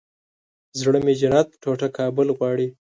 زړه مې جنت ټوټه کابل غواړي